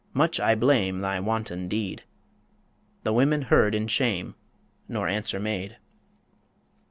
Much I blame Thy wanton deed." ... The women heard in shame, Nor answer made.